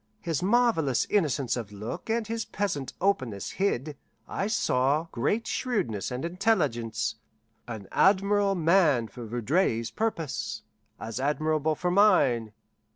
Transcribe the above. His marvellous innocence of look and his peasant openness hid, I saw, great shrewdness and intelligence an admirable man for Vaudreuil's purpose, as admirable for mine.